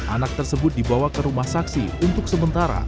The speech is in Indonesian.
anak tersebut dibawa ke rumah saksi untuk sementara